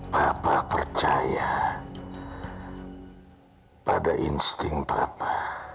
bapak percaya pada insting papa